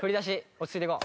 落ち着いていこう。